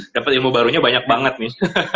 dapat ilmu barunya banyak banget nih